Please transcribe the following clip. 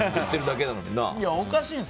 おかしいんです。